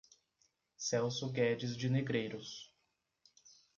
Celso Guedes de Negreiros